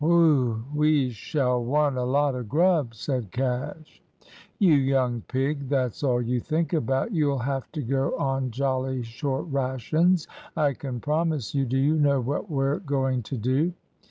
"Whew! we shall want a lot of grub," said Cash. "You young pig; that's all you think about. You'll have to go on jolly short rations, I can promise you. Do you know what we're going to do?"